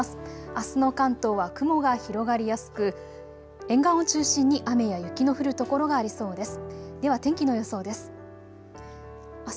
あすの関東は雲が広がりやすく、沿岸を中心に雨や雪の降る所がありそうです。